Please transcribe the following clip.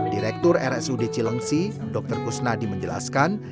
direktur rsud cilengsi dr kusnadi menjelaskan